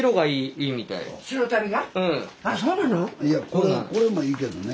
いやこれもいいけどね。